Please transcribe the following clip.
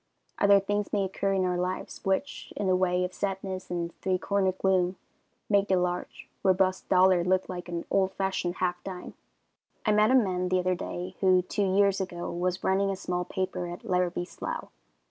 Other things may occur in our lives, which, in the way of sadness and three cornered gloom, make the large, robust dollar look like an old fashioned half dime. I met a man the other day, who, two years ago, was running a small paper at Larrabie's Slough.